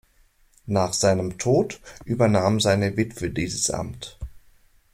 Nach seinem Tod übernahm seine Witwe dieses Amt.